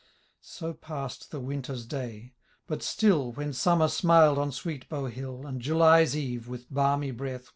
So passed the winter's day ; but still, AVhen summer smiled on sweet Bowhill,^ And July's eve, with balmy breath.